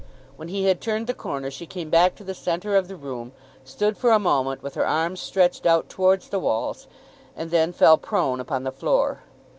When he had turned the corner she came back to the centre of the room, stood for a moment with her arms stretched out towards the walls, and then fell prone upon the floor.